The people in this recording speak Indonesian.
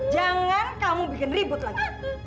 jangan kamu bikin ribut lagi